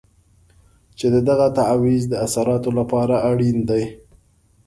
چې د دغه تعویض د اثراتو لپاره اړین دی.